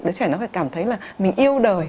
đứa trẻ nó phải cảm thấy là mình yêu đời